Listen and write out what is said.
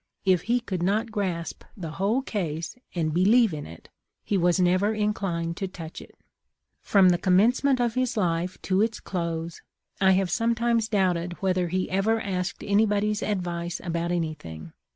If he could not grasp the whole case and believe in it, he was never inclined to touch it. " From the commencement of his life to its close, I have sometimes doubted whether he ever asked anybody's advice about anything.